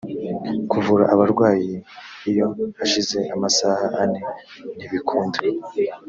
kuvura abarwayi iyo hashize amasaha ane ntibikunda